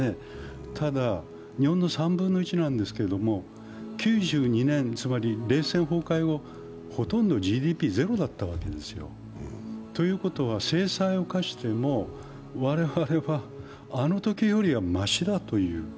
ただ、日本の３分の１なんですけど９２年、つまり冷戦後、ほとんどＧＤＰ、ゼロだったわけですよ。ということは、制裁を科しても我々はあのときよりはましだという。